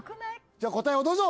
じゃあ答えをどうぞ！